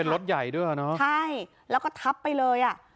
รถใหญ่ด้วยอ่ะเนอะใช่แล้วก็ทับไปเลยอ่ะ